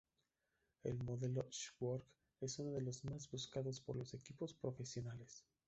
El modelo S-Works es uno de los más buscados por los equipos profesionales.